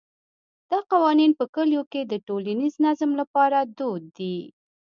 دا قوانین په کلیو کې د ټولنیز نظم لپاره دود دي.